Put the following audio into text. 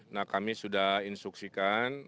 nah kami sudah instruksikan